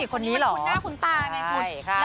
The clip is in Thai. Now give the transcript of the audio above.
คนนี้เหรอมันคุณหน้าคุณตาไงคุณ